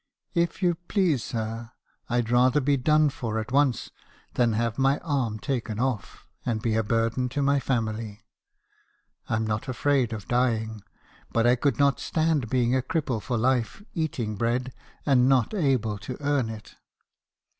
" 'If you please, sir, I'd rather be done for at once than have my arm taken off, and be a burden to my family. I'm not afraid of dying , but I could not stand being a cripple for life , eating bread, and not able to earn it.'